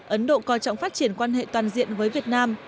ấn độ coi trọng phát triển quan hệ toàn diện với việt nam